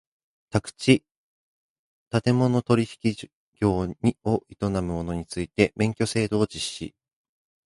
宅地建物取引業を営む者について免許制度を実施